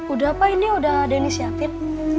udah pak ini udah deni siapin